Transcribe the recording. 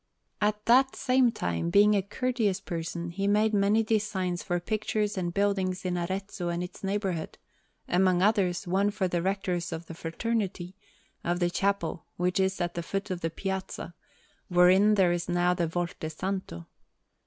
At that same time, being a courteous person, he made many designs for pictures and buildings in Arezzo and its neighbourhood; among others, one for the Rectors of the Fraternity, of the chapel which is at the foot of the Piazza, wherein there is now the Volto Santo.